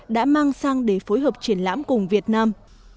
đã mang sang để phối hợp triển lãm cùng việt nam